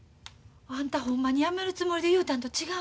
あんたほんまにやめるつもりで言うたんと違うの？